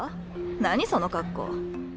何その格好！